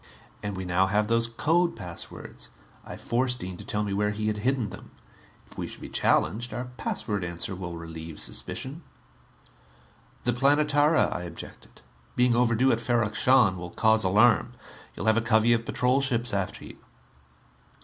And we now have those code passwords I forced Dean to tell me where he had hidden them. If we should be challenged, our password answer will relieve suspicion." "The Planetara," I objected, "being overdue at Ferrok Shahn, will cause alarm. You'll have a covey of patrol ships after you."